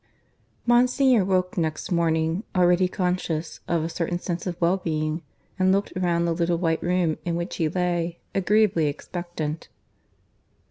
(III) Monsignor woke next morning, already conscious of a certain sense of well being, and looked round the little white room in which he lay, agreeably expectant.